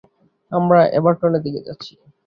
আমরা এভারটনের দিকে যাচ্ছি।